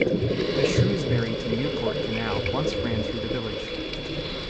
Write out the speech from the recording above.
The Shrewsbury to Newport Canal once ran through the village.